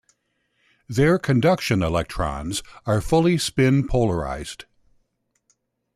Their conduction electrons are fully spin-polarized.